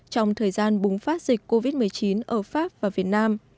trong thời gian bùng phát dịch covid một mươi chín ở pháp và việt nam